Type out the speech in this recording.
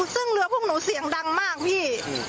ซึ่งเรือพวกหนูเสียงดังมากพี่